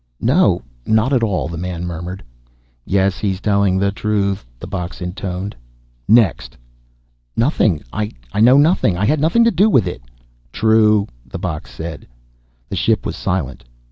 "No, not at all," the man murmured. "Yes, he's telling the truth," the box intoned. "Next!" "Nothing I know nothing. I had nothing to do with it." "True," the box said. The ship was silent.